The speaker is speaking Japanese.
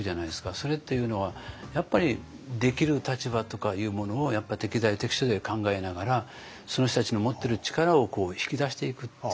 それっていうのはやっぱりできる立場とかいうものをやっぱ適材適所で考えながらその人たちの持ってる力を引き出していくっていう。